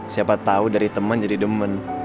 siapa tau dari temen jadi demen